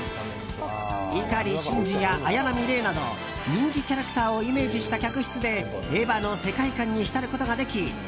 碇シンジや綾波レイなど人気キャラクターをイメージした客室で「エヴァ」の世界観に浸ることができ